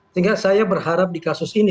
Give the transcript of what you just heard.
sehingga saya berharap di kasus ini